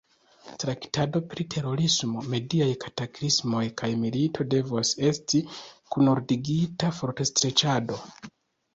Traktado pri terorismo, mediaj kataklismoj kaj milito devos esti kunordigita fortostreĉado.